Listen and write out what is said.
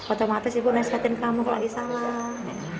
otomatis ibu nespetin kamu kalau lagi salah